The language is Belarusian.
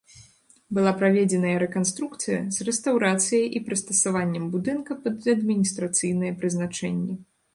Была праведзеная рэканструкцыя з рэстаўрацыяй і прыстасаваннем будынка пад адміністрацыйнае прызначэнне.